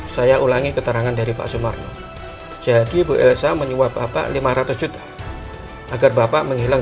saya ulangi keterangan dari pak sumarno jadi bu elsa menyuap bapak lima ratus juta agar bapak menghilang